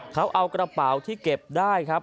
เขาเอากระเป๋าที่เก็บได้ครับ